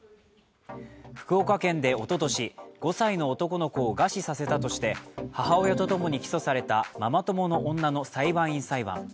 福岡県でおととし、５歳の男の子を餓死させたとして母親と共に起訴されたママ友の女の裁判員裁判。